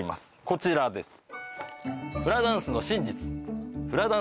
こちらです